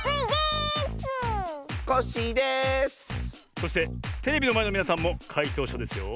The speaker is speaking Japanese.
そしてテレビのまえのみなさんもかいとうしゃですよ。